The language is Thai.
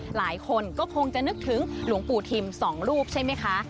หลายคนก็คงจะนึกถึงหลวงปู่ทิม๒รูปใช่ไหมคะ